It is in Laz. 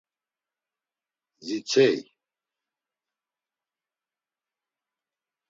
Zitsey.